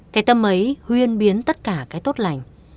cái tâm ấy huyên biến tất cả cái tốt lành